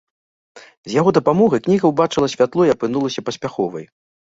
З яго дапамогай кніга ўбачыла святло і апынулася паспяховай.